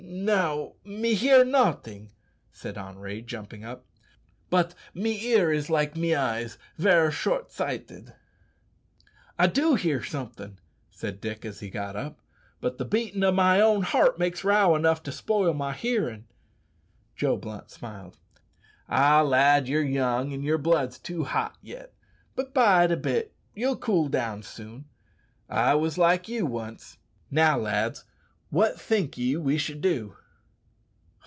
"Now, me hear noting," said Henri, jumping up, "but me ear is like me eyes ver' short sighted." "I do hear something," said Dick as he got up, "but the beating o' my own heart makes row enough to spoil my hearin'." Joe Blunt smiled. "Ah! lad, ye're young, an' yer blood's too hot yet; but bide a bit you'll cool down soon. I wos like you once. Now, lads, what think ye we should do?"